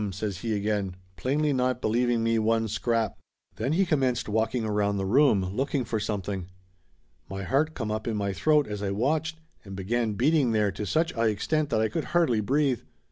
says he again, plainly not believing me one scrap. Then he commenced walking around the room, look ing for something. My heart come up in my throat as I watched, and began beating there to such a extent that I could hardly breathe.